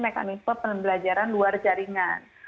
mekanisme pembelajaran luar jaringan